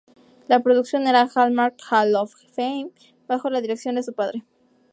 La producción era "Hallmark Hall of Fame", bajo la dirección de su padre.